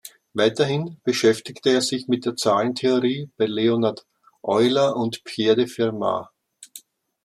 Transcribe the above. Weiterhin beschäftigte er sich mit der Zahlentheorie bei Leonhard Euler und Pierre de Fermat.